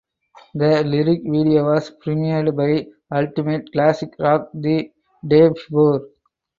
The lyric video was premiered by "Ultimate Classic Rock" the day before.